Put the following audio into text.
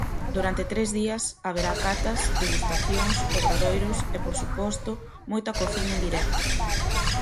Durante tres días haberá catas, degustacións, obradoiros e, por suposto, moita cociña en directo.